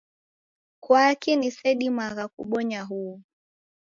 Kwaki nisedimaa kubonya huw'u?